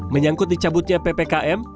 menyangkut dicabutnya ppkm